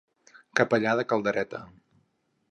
Capellà de caldereta.